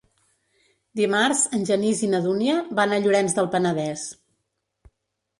Dimarts en Genís i na Dúnia van a Llorenç del Penedès.